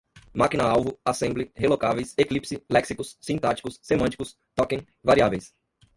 máquina-alvo, assembly, relocáveis, eclipse, léxicos, sintáticos, semânticos, token, variáveis